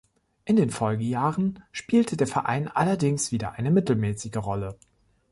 In den Folgejahren spielte der Verein allerdings wieder eine mittelmäßige Rolle.